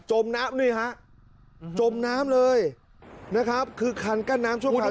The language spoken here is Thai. มน้ำนี่ฮะจมน้ำเลยนะครับคือคันกั้นน้ำชั่วคราว